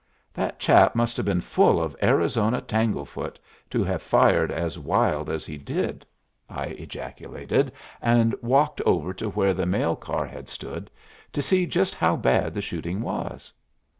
"That chap must have been full of Arizona tangle foot, to have fired as wild as he did," I ejaculated, and walked over to where the mail car had stood, to see just how bad the shooting was.